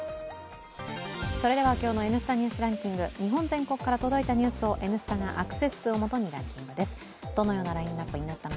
それでは、今日の「Ｎスタ・ニュースランキング」、日本全国から届いたニュースを「Ｎスタ」がアクセス数を基にランキングです。